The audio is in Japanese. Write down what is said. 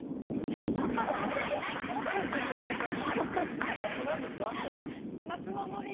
最後、何ですか松崎さん。